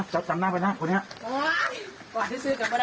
จำหน้าไปนะคนนี้